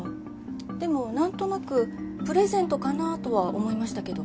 でもなんとなくプレゼントかなとは思いましたけど。